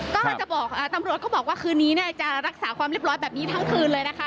ก็จะบอกตำรวจก็บอกว่าคืนนี้จะรักษาความเรียบร้อยแบบนี้ทั้งคืนเลยนะคะ